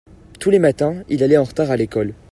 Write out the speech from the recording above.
tous les matins il allait en retard à l'école.